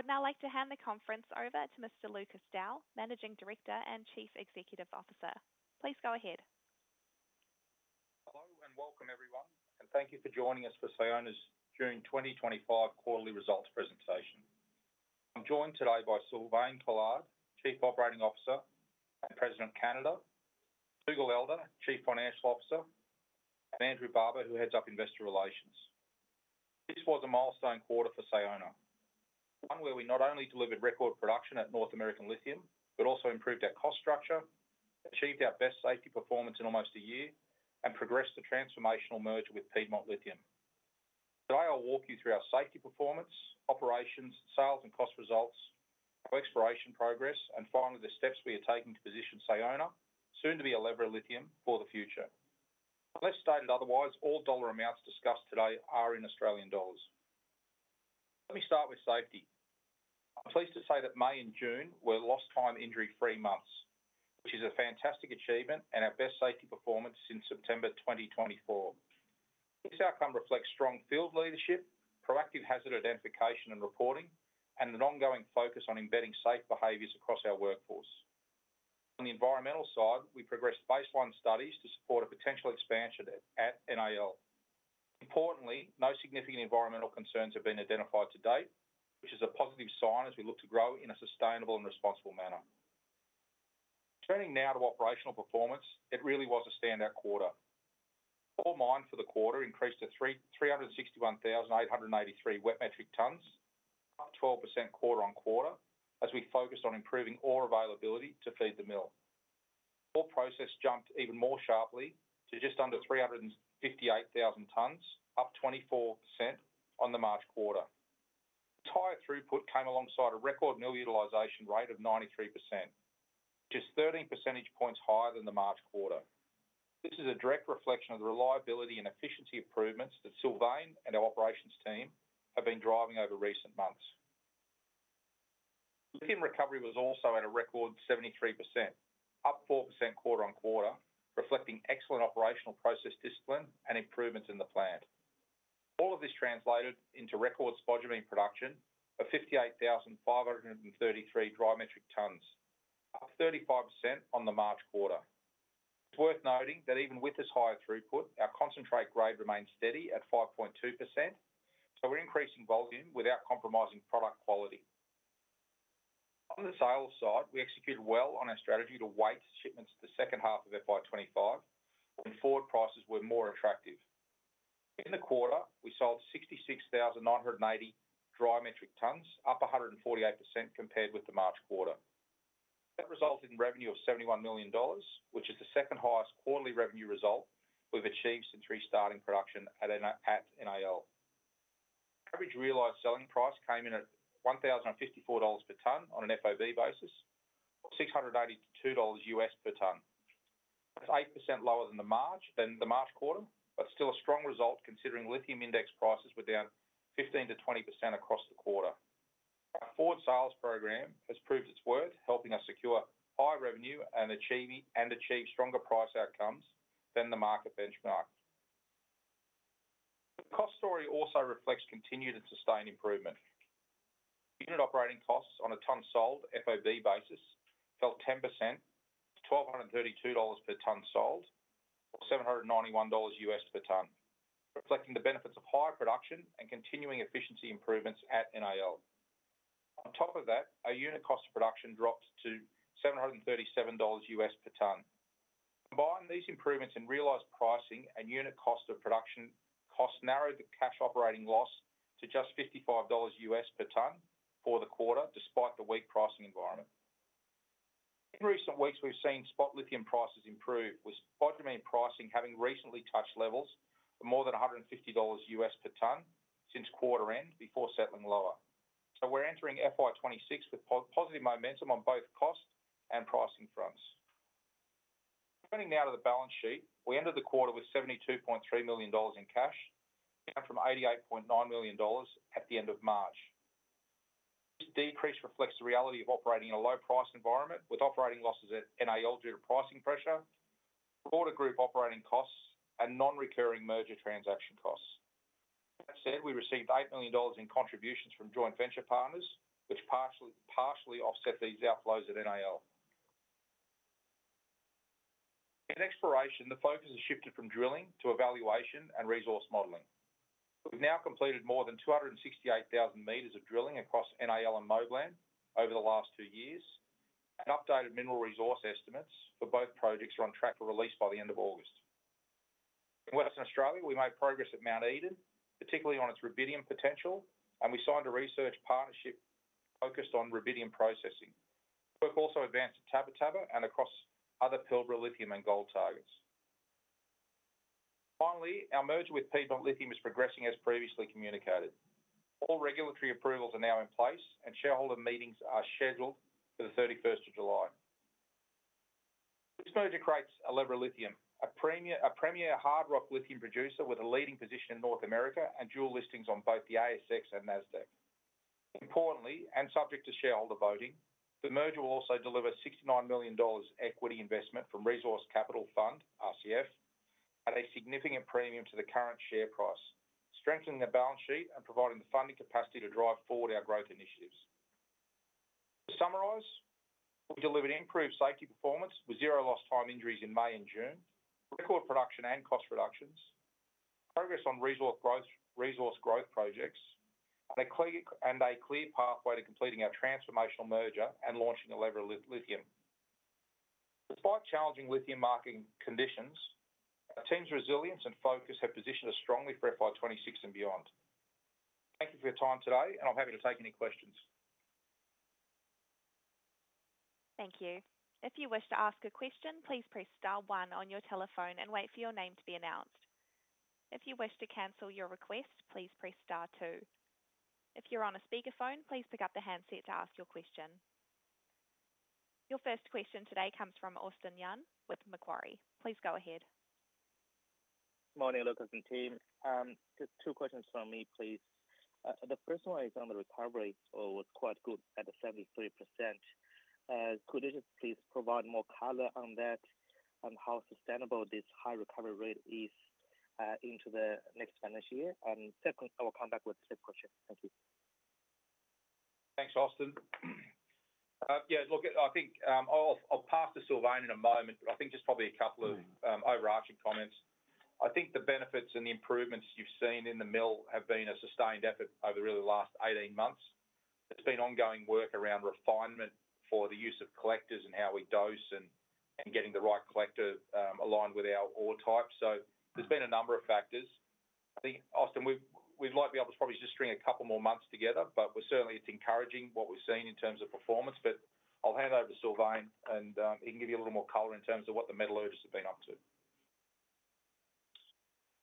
I would now like to hand the conference over to Mr. Lucas Dow, Managing Director and Chief Executive Officer. Please go ahead. Hello and welcome, everyone, and thank you for joining us for Sayona's June 2025 quarterly results presentation. I'm joined today by Sylvain Collard, Chief Operating Officer and President Candidate, Dougal Elder, Chief Financial Officer, and Andrew Barber, who heads up Investor Relations. This was a milestone quarter for Sayona, one where we not only delivered record production at North American Lithium, but also improved our cost structure, achieved our best safety performance in almost a year, and progressed the transformational merger with Piedmont Lithium. Today, I'll walk you through our safety performance, operations, sales, and cost results, our exploration progress, and finally, the steps we are taking to position Sayona, soon to be Allegra Lithium, for the future. Unless stated otherwise, all dollar amounts discussed today are in Australian dollars. Let me start with safety. I'm pleased to say that May and June were lost-time injury-free months, which is a fantastic achievement and our best safety performance since September 2024. This outcome reflects strong field leadership, proactive hazard identification and reporting, and an ongoing focus on embedding safe behaviors across our workforce. On the environmental side, we progressed baseline studies to support a potential expansion at NAL. Importantly, no significant environmental concerns have been identified to date, which is a positive sign as we look to grow in a sustainable and responsible manner. Turning now to operational performance, it really was a standout quarter. Ore mined for the quarter increased to 361,883 wet metric tons, up 12% quarter-on-quarter, as we focused on improving ore availability to feed the mill. Ore processed jumped even more sharply to just under 358,000 tons, up 24% on the March quarter. This throughput came alongside a record mill utilization rate of 93%, which is 13 percentage points higher than the March quarter. This is a direct reflection of the reliability and efficiency improvements that Sylvain and our operations team have been driving over recent months. Lithium recovery was also at a record 73%, up 4% quarter-on-quarter, reflecting excellent operational process discipline and improvements in the plant. All of this translated into record spodumene concentrate production of 58,533 dry metric tons, up 35% on the March quarter. It's worth noting that even with this higher throughput, our concentrate grade remains steady at 5.2%, so we're increasing volume without compromising product quality. On the sales side, we executed well on our strategy to weight shipments to the second half of FY 2025, when forward prices were more attractive. In the quarter, we sold 66,980 dry metric tons, up 148% compared with the March quarter. That resulted in revenue of 71 million dollars, which is the second highest quarterly revenue result we've achieved since restarting production at NAL. Average realized selling price came in at 1,054 dollars per ton on an FOB basis, $682 per ton. That's 8% lower than the March quarter, but still a strong result considering lithium index prices were down 15%-20% across the quarter. Our forward sales program has proved its worth, helping us secure high revenue and achieve stronger price outcomes than the market benchmark. The cost story also reflects continued and sustained improvement. Unit operating costs on a ton sold FOB basis fell 10% to 1,232 dollars per ton sold, or $791 per ton, reflecting the benefits of high production and continuing efficiency improvements at NAL. On top of that, our unit cost of production dropped to $737 per ton. Combining these improvements in realized pricing and unit cost of production narrowed the cash operating loss to just $55 per ton for the quarter, despite the weak pricing environment. In recent weeks, we've seen spot lithium prices improve, with spodumene pricing having recently touched levels of more than $150 per ton since quarter end before settling lower. We're entering FY 2026 with positive momentum on both cost and pricing fronts. Turning now to the balance sheet, we ended the quarter with 72.3 million dollars in cash, down from 88.9 million dollars at the end of March. This decrease reflects the reality of operating in a low-priced environment, with operating losses at NAL due to pricing pressure, broader group operating costs, and non-recurring merger transaction costs. We received 8 million dollars in contributions from joint venture partners, which partially offset these outflows at NAL. In exploration, the focus has shifted from drilling to evaluation and resource modeling. We've now completed more than 268,000 m of drilling across NAL and Moblan over the last two years, and updated mineral resource estimates for both projects are on track for release by the end of August. In Western Australia, we made progress at Mount Edon, particularly on its rubidium potential, and we signed a research partnership focused on rubidium processing. Work also advanced at Tabba Tabba and across other Pilbara lithium and gold targets. Finally, our merger with Piedmont Lithium is progressing as previously communicated. All regulatory approvals are now in place, and shareholder meetings are scheduled for the 31st of July. This merger creates Allegra Lithium, a premier hard rock lithium producer with a leading position in North America and dual listings on both the ASX and NASDAQ. Importantly, and subject to shareholder voting, the merger will also deliver 69 million dollars equity investment from Resource Capital Fund, RCF, at a significant premium to the current share price, strengthening the balance sheet and providing the funding capacity to drive forward our growth initiatives. To summarize, we delivered improved safety performance with zero lost-time injuries in May and June, record production and cost reductions, progress on resource growth projects, and a clear pathway to completing our transformational merger and launching Allegra Lithium. Despite challenging lithium marketing conditions, the team's resilience and focus have positioned us strongly for FY 2026 and beyond. Thank you for your time today, and I'm happy to take any questions. Thank you. If you wish to ask a question, please press star one on your telephone and wait for your name to be announced. If you wish to cancel your request, please press star two. If you're on a speakerphone, please pick up the handset to ask your question. Your first question today comes from Austin Yan with Macquarie. Please go ahead. Morning, Lucas and team. Two questions from me, please. The person who is on the recovery was quite good at the 73%. Could you just please provide more color on that and how sustainable this high recovery rate is into the next financial year? I will come back with a simple question. Thank you. Thanks, Austin. Yeah, look, I think I'll pass to Sylvain in a moment, but I think just probably a couple of overarching comments. I think the benefits and the improvements you've seen in the mill have been a sustained effort over the really last 18 months. There's been ongoing work around refinement for the use of collectors and how we dose and getting the right collector aligned with our ore type. There's been a number of factors. I think, Austin, we'd like to be able to probably just string a couple more months together, we're certainly encouraging what we've seen in terms of performance. I'll hand over to Sylvain, and he can give you a little more color in terms of what the metallurgists have been up to.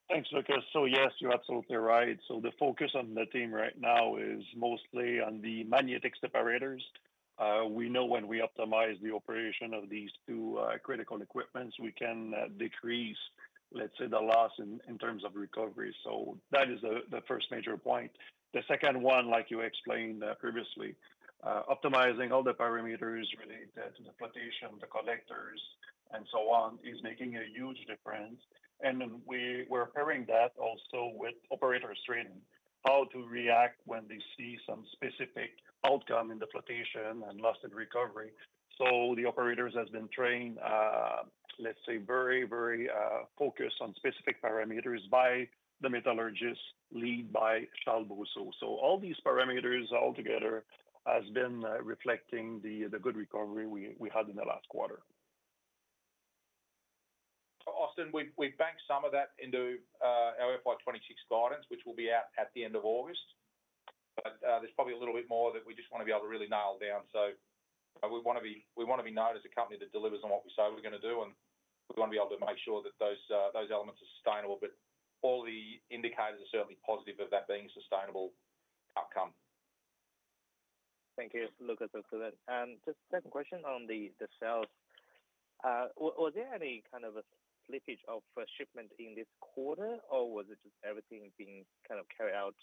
Thanks, Lucas. Yes, you're absolutely right. The focus on the team right now is mostly on the magnetic separators. We know when we optimize the operation of these two critical equipments, we can decrease, let's say, the loss in terms of recovery. That is the first major point. The second one, like you explained previously, optimizing all the parameters related to the flotation, the collectors, and so on is making a huge difference. We're pairing that also with operator training, how to react when they see some specific outcome in the flotation and loss in recovery. The operators have been trained, let's say, very, very focused on specific parameters by the metallurgist lead by Talboso. All these parameters altogether have been reflecting the good recovery we had in the last quarter. Austin, we've banked some of that into our FY 2026 guidance, which will be out at the end of August. There's probably a little bit more that we just want to be able to really nail down. We want to be known as a company that delivers on what we say we're going to do, and we want to be able to make sure that those elements are sustainable. All the indicators are certainly positive of that being a sustainable outcome. Thank you, Lucas, for that. Just a second question on the sales. Was there any kind of a slippage of shipment in this quarter, or was it just everything being kind of carried out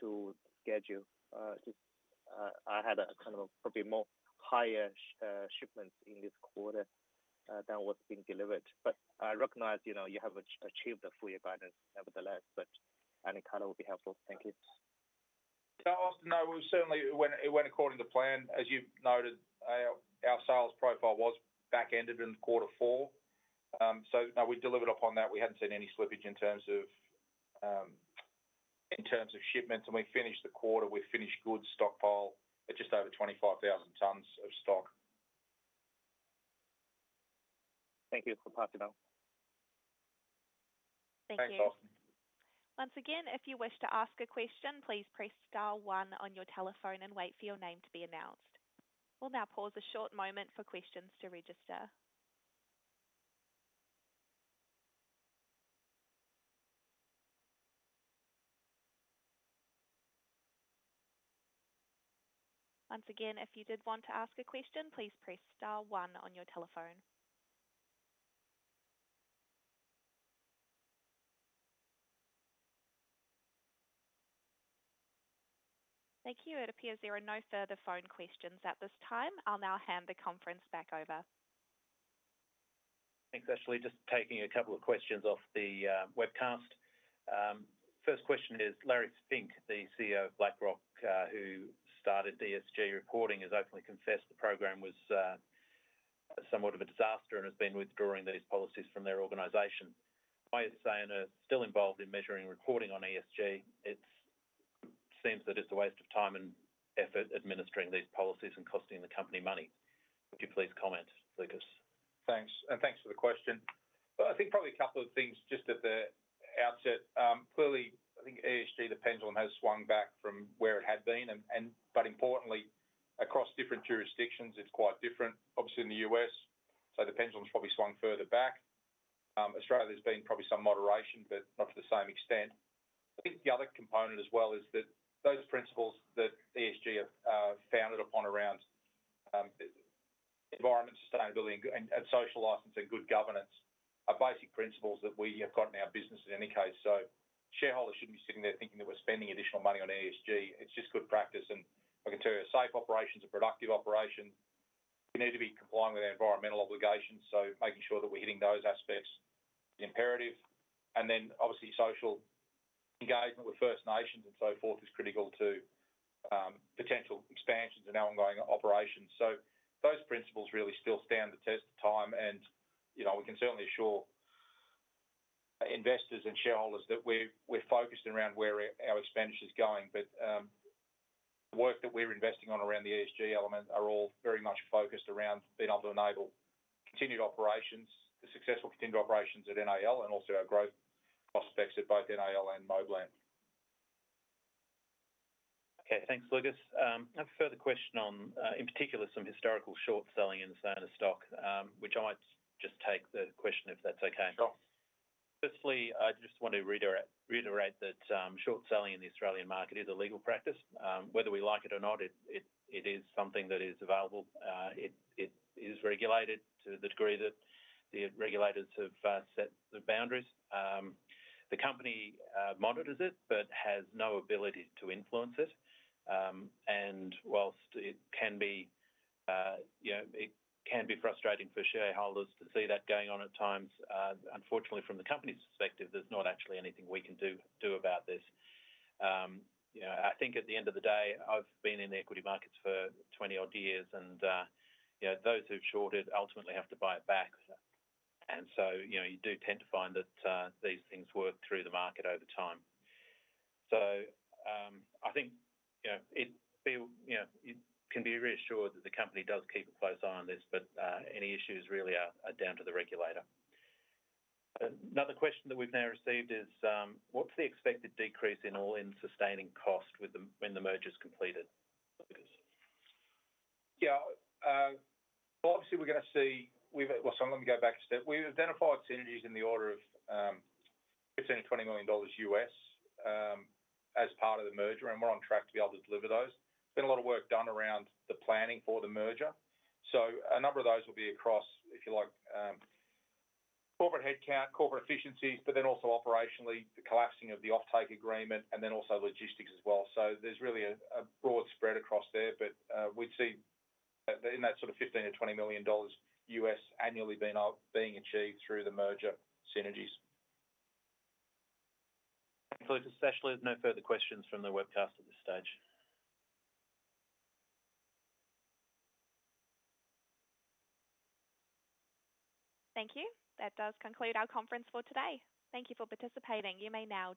to schedule? I had a probably more higher shipment in this quarter than what's been delivered. I recognize you have achieved the full year guidance, nevertheless, any color would be helpful. Thank you. Yeah, Austin, no, we certainly went according to plan. As you noted, our sales profile was back-ended in quarter four. No, we delivered upon that. We hadn't seen any slippage in terms of shipments. We finished the quarter, finished good stockpile at just over 25,000 tons of stock. Thank you for passing that on. Thank you. Thanks, Austin. Once again, if you wish to ask a question, please press star one on your telephone and wait for your name to be announced. We'll now pause a short moment for questions to register. Once again, if you did want to ask a question, please press star one on your telephone. Thank you. It appears there are no further phone questions at this time. I'll now hand the conference back over. Thanks, Ashley. Just taking a couple of questions off the webcast. First question is, Larry Fink, the CEO of BlackRock, who started ESG reporting, has openly confessed the program was somewhat of a disaster and has been withdrawing these policies from their organization. Why is Sayona still involved in measuring reporting on ESG? It seems that it's a waste of time and effort administering these policies and costing the company money. Would you please comment, Lucas? Thanks, and thanks for the question. I think probably a couple of things just at the outset. Clearly, I think ESG, the pendulum has swung back from where it had been. Importantly, across different jurisdictions, it's quite different. Obviously, in the U.S., the pendulum's probably swung further back. Australia's been probably some moderation, but not to the same extent. I think the other component as well is that those principles that ESG are founded upon around environment, sustainability, and social license and good governance are basic principles that we have got in our business in any case. Shareholders shouldn't be sitting there thinking that we're spending additional money on ESG. It's just good practice. I can tell you, a safe operation is a productive operation. We need to be complying with our environmental obligations. Making sure that we're hitting those aspects is imperative. Obviously, social engagement with First Nations and so forth is critical to potential expansions in our ongoing operations. Those principles really still stand the test of time. You know we can certainly assure investors and shareholders that we're focused around where our expenditure is going. The work that we're investing on around the ESG element are all very much focused around being able to enable continued operations, the successful continued operations at NAL and also our growth prospects at both NAL and Moblan. Okay, thanks, Lucas. I have a further question on, in particular, some historical short selling in Sayona stock, which I might just take the question if that's okay. Firstly, I just want to reiterate that short selling in the Australian market is a legal practice. Whether we like it or not, it is something that is available. It is regulated to the degree that the regulators have set the boundaries. The company monitors it but has no ability to influence it. Whilst it can be frustrating for shareholders to see that going on at times, unfortunately, from the company's perspective, there's not actually anything we can do about this. At the end of the day, I've been in the equity markets for 20-odd years, and those who've shorted ultimately have to buy it back. You do tend to find that these things work through the market over time. I think you can be reassured that the company does keep a close eye on this, but any issues really are down to the regulator. Another question that we've now received is, what's the expected decrease in all in sustaining cost when the merger is completed? Lucas. Obviously, we're going to see, let me go back a step. We've identified synergies in the order of $15 million-$20 million. as part of the merger, and we're on track to be able to deliver those. There's been a lot of work done around the planning for the merger. A number of those will be across, if you like, corporate headcount, corporate efficiencies, but then also operationally, the collapsing of the off-take agreement, and also logistics as well. There's really a broad spread across there, but we've seen in that sort of $15 million-$20 million annually being achieved through the merger synergies. Ashley, no further questions from the webcast at this stage. Thank you. That does conclude our conference for today. Thank you for participating. You may now.